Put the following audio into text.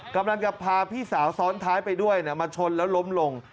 กำลังจะพาพี่สาวซ้อนท้ายไปด้วยมาชนแล้วล้มลง